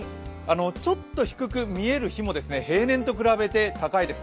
ちょっと低く見える日も平年と比べて高いです。